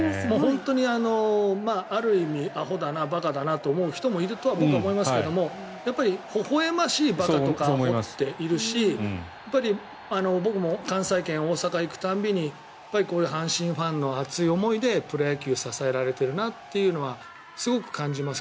本当にある意味、あほだな馬鹿だなと思う人もいると僕は思いますがやっぱり、ほほ笑ましい馬鹿とかあほっているし僕も関西圏、大阪に行く度にこういう阪神ファンの熱い思いでプロ野球は支えられているなというのはすごく感じます。